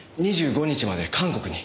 ２５日まで韓国に。